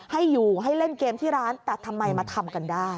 ให้อยู่ให้เล่นเกมที่ร้านแต่ทำไมมาทำกันได้